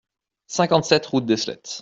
cinquante-sept route d'Eslettes